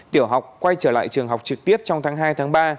tiểu học quay trở lại trường học trực tiếp trong tháng hai tháng ba